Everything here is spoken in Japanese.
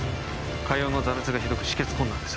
下葉の挫滅がひどく止血困難です